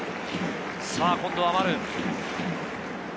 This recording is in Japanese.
今度は丸。